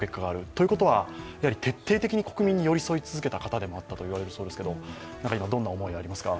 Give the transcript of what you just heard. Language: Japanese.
ということは、徹底的に国民に寄り添い続けた方ということもありますが、どんな思いがありますか。